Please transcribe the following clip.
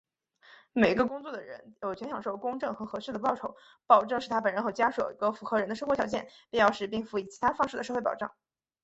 每一个工作的人,有权享受公正和合适的报酬,保证使他本人和家属有一个符合人的生活条件,必要时并辅以其他方式的社会保障。